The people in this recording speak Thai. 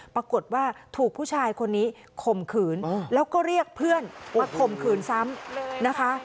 ปรากฏว่าถูกผู้ชายคนนี้ข่มขืนแล้วก็เรียกเพื่อนมาข่มขืนซ้ำนะคะ